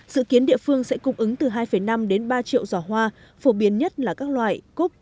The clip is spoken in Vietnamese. dự kiến địa phương sẽ cung ứng từ hai năm đến ba triệu giỏ hoa phổ biến nhất là các loại cúp